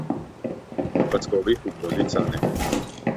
Պսկովի ֆուտբոլի սան է։